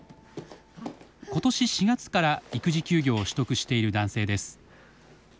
今年４月から育児休業を取得している男性です。